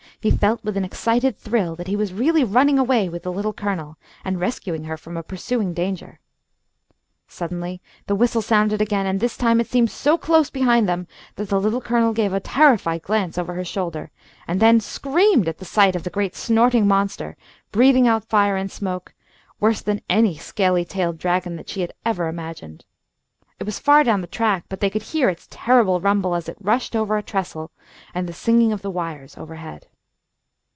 He felt with an excited thrill that he was really running away with the Little Colonel, and rescuing her from a pursuing danger. Suddenly the whistle sounded again, and this time it seemed so close behind them that the Little Colonel gave a terrified glance over her shoulder and then screamed at the sight of the great snorting monster, breathing out fire and smoke, worse than any scaly tailed dragon that she had ever imagined. It was far down the track but they could hear its terrible rumble as it rushed over a trestle, and the singing of the wires overhead.